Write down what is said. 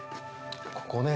ここね